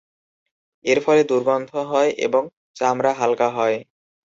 এর ফলে দুর্গন্ধ হয় এবং চামড়া হালকা হয়।